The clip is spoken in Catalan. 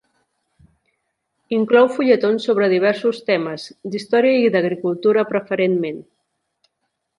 Inclou fulletons sobre diversos temes, d'història i d'agricultura preferentment.